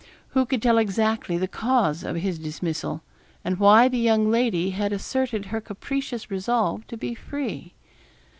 Who could tell exactly the cause of his dismissal, and why the young lady had asserted her capricious resolve to be free?